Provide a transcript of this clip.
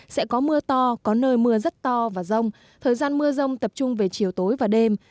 sẽ có mưa to có nơi mưa rất to và rông thời gian mưa rông tập trung về chiều tối và đêm